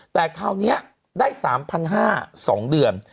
แต่คราวนี้ได้๓๕๐๐๒เดือน